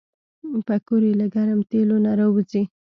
پکورې له ګرم تیلو نه راوځي